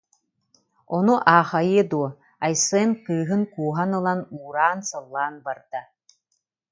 Ону аахайыа дуо, Айсен кыыһын кууһан ылан, уураан-сыллаан барда